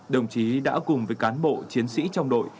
đồng chí đã cùng với cán bộ chiến sĩ trong đội